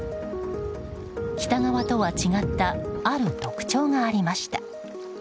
北側とは違ったある特徴がありました。